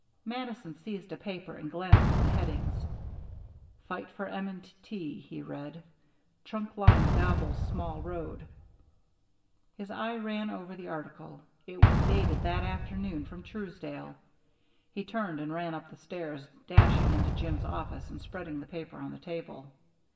Mattison seized a paper and glanced at the headings. "Fight for M. & T.," he read. "Trunk Line Gobbles Small Road." His eye ran over the article; it was dated that afternoon from Truesdale. He turned and ran up the stairs, dashing into Jim's office and spreading the paper on the table.